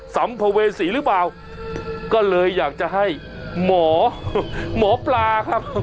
สัมภเวษีหรือเปล่าก็เลยอยากจะให้หมอหมอปลาครับ